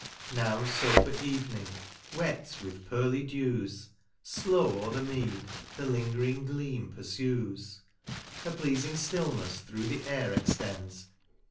Now fober evening, wet with pearly dews, Slow o'er the mead, the lingering gleam purfues ; A pleaflng ftillnefs thro' the air extends.